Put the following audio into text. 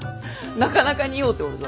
なかなか似合うておるぞ。